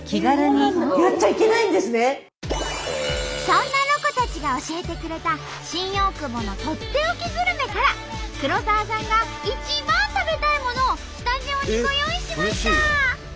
そんなロコたちが教えてくれた新大久保のとっておきグルメから黒沢さんが一番食べたいものをスタジオにご用意しました！